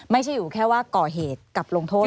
ไม่ใช่อยู่แค่ว่าก่อเหตุกับลงโทษ